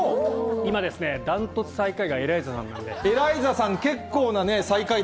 今ですね、断トツ最下位がエライザさんなので。